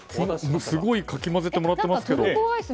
すごいかき混ぜてもらってますけど。